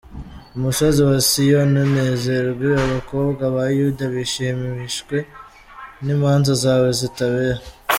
Umusozi wa Siyoni unezerwe, Abakobwa ba Yuda bishimishwe n’imanza zawe zitabera.